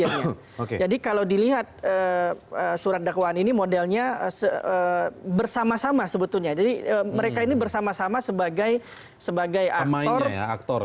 pemainnya ya aktor aktor ini ya jadi kalau dilihat surat dakwaan ini modelnya bersama sama sebetulnya jadi mereka ini bersama sama sebagai sebagai aktor aktor